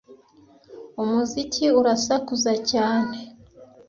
Umuziki urasakuza cyane